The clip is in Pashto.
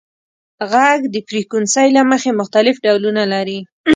• ږغ د فریکونسۍ له مخې مختلف ډولونه لري.